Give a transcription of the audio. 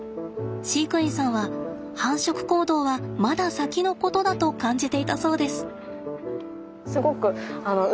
飼育員さんは繁殖行動はまだ先のことだと感じていたそうです。